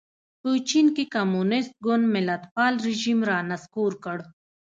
په چین کې کمونېست ګوند ملتپال رژیم را نسکور کړ.